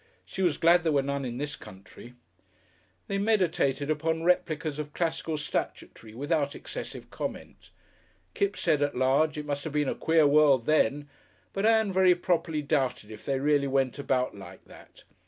She was glad there were none in this country. They meditated upon replicas of classical statuary without excessive comment. Kipps said at large, it must have been a queer world then, but Ann very properly doubted if they really went about like that.